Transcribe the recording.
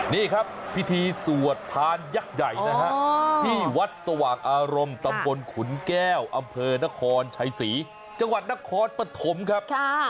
นี่ครับพิธีสวดพานยักษ์ใหญ่นะฮะที่วัดสว่างอารมณ์ตำบลขุนแก้วอำเภอนครชัยศรีจังหวัดนครปฐมครับ